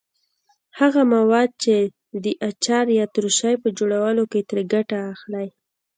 هغه مواد چې د اچار یا ترشۍ په جوړولو کې ترې ګټه اخلئ.